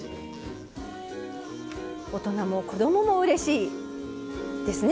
大人も子供もうれしいですね。